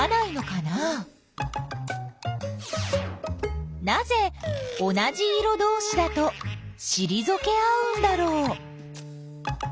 なぜ同じ色どうしだとしりぞけ合うんだろう？